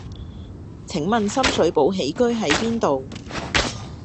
請問深水埗喜居喺邊度？